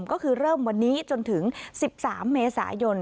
ก็คือเริ่มวันนี้จนถึง๑๓เมษายน